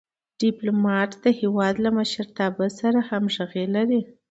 ډيپلومات د هېواد له مشرتابه سره همږغي لري.